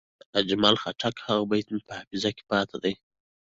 د اجمل خټک هغه بیت مې په حافظه کې پاتې دی.